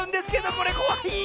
これこわい！